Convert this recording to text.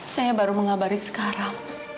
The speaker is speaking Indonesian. saya baru mengabari sekarang